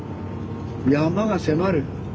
山が迫る。